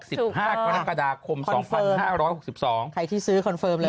ถูกค่ะคอนกระดาษคม๒๕๖๒คอนเฟิร์มใครที่ซื้อคอนเฟิร์มเลย